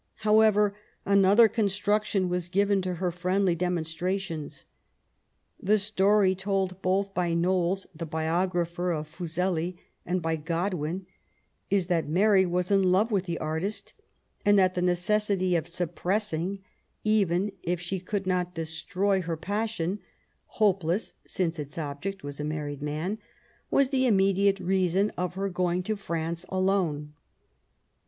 However, another construction was given to her friendly demonstrations. The story told both by Knowles, the biographer of Fuseli, and by Godwin, is that Mary was in love with the artist ; and that the necessity of suppressing, even if she could not destroy. VISIT TO PARIS. 109 her passion — ^hopeless since its object was a married man — was the immediate reason of her going to France alone.